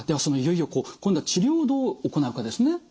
そのいよいよ今度は治療をどう行うかですね。